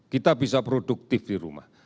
kita bisa produktif di rumah